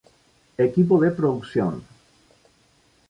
Equipo de Producción